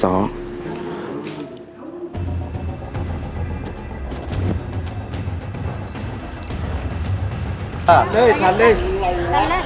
แม่งพอล่ะ